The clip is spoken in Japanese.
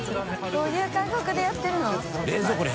どういう感覚でやってるの後藤）